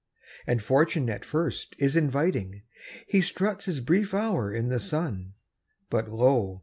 And fortune at first is inviting He struts his brief hour in the sun But, lo!